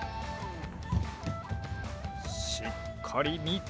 しっかりみて。